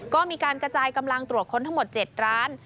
ก็มีการกระจายกำลังตรวจค้นทั้งหมด๗ร้าน